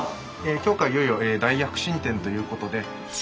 今日からいよいよ大躍進展ということで。